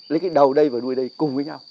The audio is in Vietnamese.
lấy cái đầu đây và đuôi đây cùng với nhau